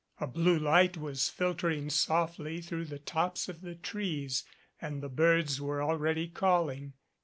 A blue light was filtering softly through the tops of the trees and the birds were already calling.